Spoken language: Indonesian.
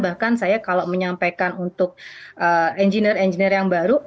bahkan saya kalau menyampaikan untuk engineer engineer yang baru